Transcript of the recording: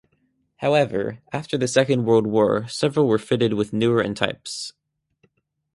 However, after the second world war several were fitted with newer and types.